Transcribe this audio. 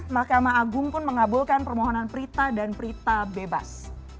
mahkamah agung pun mengabulkan permohonan prita dan prita bebas